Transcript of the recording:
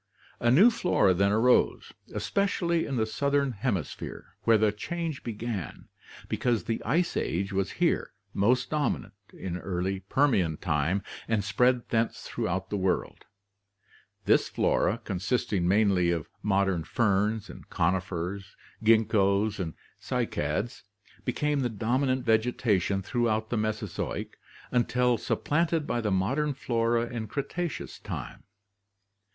A new flora then arose, especially in the southern hemisphere where the change began, because the ice age was here most dominant in early Permian time and spread thence throughout the world. This flora, consisting mainly of modern ferns, conifers, ginkgoes, and cycads, became the dominant vegetation throughout the Mesozoic until supplanted by the modern flora in Cretaceous time.